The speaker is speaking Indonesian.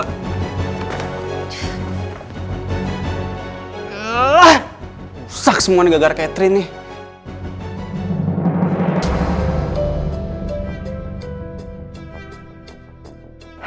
busak semua nih gara gara catherine nih